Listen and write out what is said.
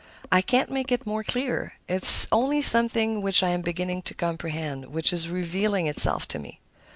I can't make it more clear; it's only something which I am beginning to comprehend, which is revealing itself to me."